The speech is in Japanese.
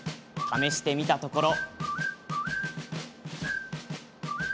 試してみたところ。